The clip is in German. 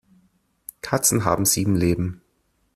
Katzen haben sieben Leben.